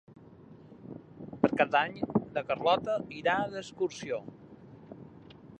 Per Cap d'Any na Carlota irà d'excursió.